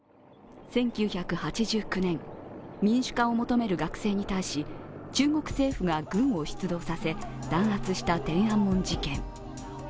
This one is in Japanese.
１９８９年、民主化を求める学生に対し中国政府が軍を出動させ分圧した天安門事件。